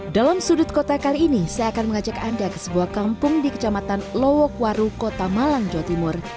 dalam sudut kota kali ini saya akan mengajak anda ke sebuah kampung di kecamatan lowokwaru kota malang jawa timur